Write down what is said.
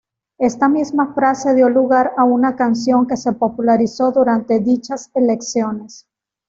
Esta misma frase dio lugar a una canción que se popularizó durante dichas elecciones.